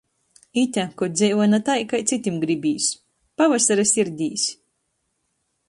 Ite, kod dzeivoj na tai, kai cytim gribīs. Pavasara sirdīs!